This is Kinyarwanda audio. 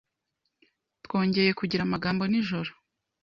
Twongeye kugira amagambo nijoro.